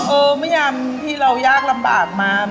เออไม่ยำที่เรายากลำบากมา